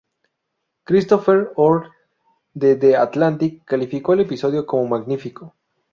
Christopher Orr, de The Atlantic, calificó al episodio como "magnífico".